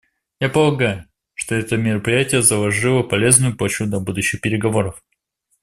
Я полагаю, что это мероприятие заложило полезную почву для будущих переговоров.